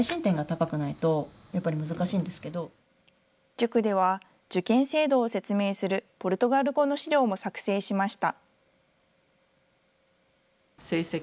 塾では、受験制度を説明するポルトガル語の資料も作成しました。